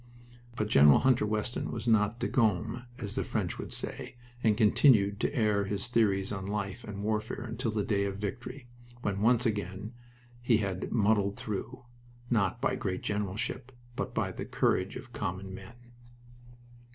But Gen. Hunter Weston was not degomme, as the French would say, and continued to air his theories on life and warfare until the day of Victory, when once again we had "muddled through," not by great generalship, but by the courage of common men.